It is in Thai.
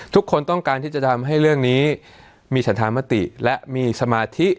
ทุกคนต้องการที่จะทำให้เรื่องนี้มีฉันธามติและมีสมาธิ